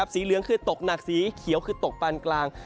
สีเหลืองคือตกหนักสีเขียวคือตกปานกลาง